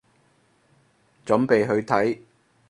準備去睇